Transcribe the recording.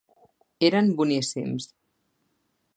Eren boníssims.